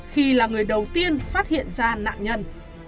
khi là người đầu tiên phát hiện ra nạn nhân